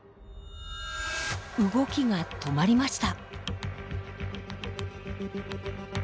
動きが止まりました！